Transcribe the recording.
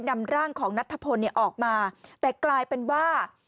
นำร่างของนัทธพลออกมาแต่กลายเป็นว่า